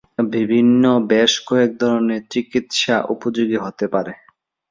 বিভিন্ন বেশ কয়েক ধরনের চিকিৎসা উপযোগী হতে পারে।